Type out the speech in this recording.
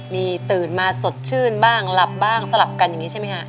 มีตื่นมาสดชื่นบ้างหลับบ้างสลับกันอย่างนี้ใช่ไหมฮะ